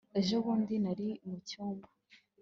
ejobundi nari mucyumba